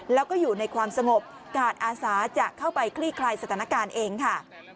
แล้วก็อยู่ในความสงบกาดอาสาจะเข้าไปคลี่คลายสถานการณ์เองค่ะ